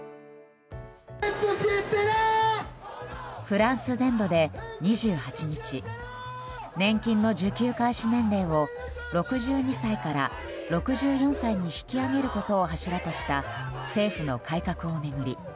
フランス全土で２８日年金の受給開始年齢を６２歳から６４歳に引き上げることを柱とした政府の改革を巡り